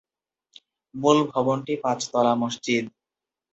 মূল ভবনটি পাঁচতলা মসজিদ।